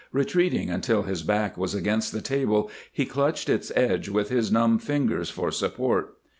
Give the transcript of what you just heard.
Retreating until his back was against the table, he clutched its edge with his numb fingers for support.